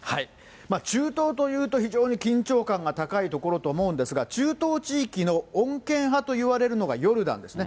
中東というと、非常に緊張感が高い所と思うんですが、中東地域の穏健派といわれるのがヨルダンですね。